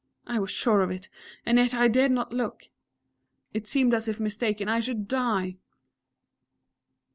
I was sure of it, and yet I dared not look it seemed as if mistaken I should die!